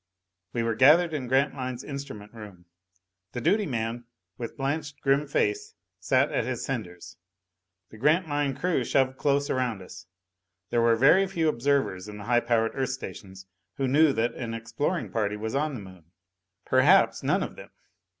We were gathered in Grantline's instrument room. The duty man, with blanched grim face, sat at his senders. The Grantline crew shoved close around us. There were very few observers in the high powered Earth stations who knew that an exploring party was on the Moon. Perhaps none of them.